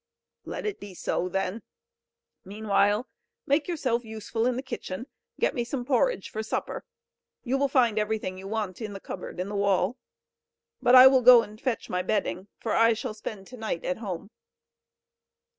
"Let it be so then! Meanwhile make yourself useful in the kitchen; get me some porridge for supper. You will find everything you want in the cupboard in the wall; but I will go and fetch my bedding, for I shall spend to night at home."